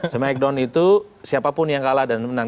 semakedown itu siapapun yang kalah dan menang